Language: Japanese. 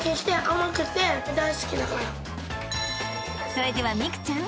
［それでは美空ちゃん］